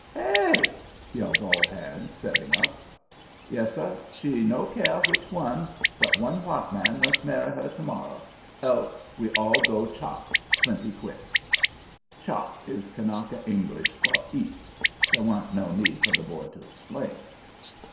"'HEY?' yells all hands, setting up. "'Yes, sir. She no care which one, but one white man must marry her to morrow. Else we all go chop plenty quick.' "'Chop' is Kanaka English for 'eat.' There wa'n't no need for the boy to explain.